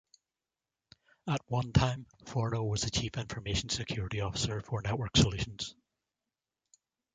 At one time, Forno was the Chief Information Security Officer for Network Solutions.